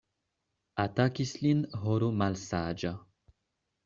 Atakis lin horo malsaĝa.